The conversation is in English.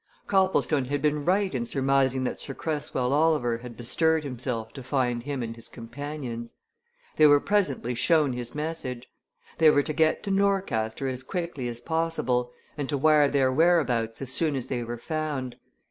Copplestone had been right in surmising that Sir Cresswell Oliver had bestirred himself to find him and his companions. They were presently shown his message. They were to get to Norcaster as quickly as possible, and to wire their whereabouts as soon as they were found.